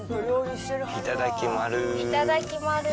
いただきまる。